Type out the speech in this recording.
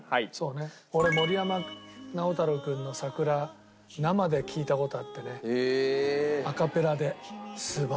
俺森山直太朗君の『さくら』生で聴いた事あってねアカペラで。